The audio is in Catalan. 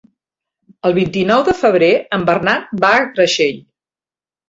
El vint-i-nou de febrer en Bernat va a Creixell.